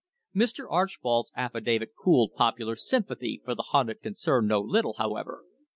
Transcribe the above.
Mr. Archbold's affidavit cooled popular sympathy for the hunted concern no little, however.